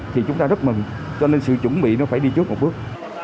thì chúng ta rất mừng cho nên sự chuẩn bị nó phải đi trước một bước